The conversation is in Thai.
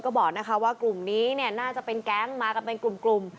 ก็บอกว่ากลุ่มนี้น่าจะเป็นแก๊งมากับเป็นกลุ่ม